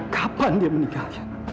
kapan dia meninggal